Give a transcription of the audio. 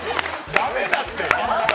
駄目だって！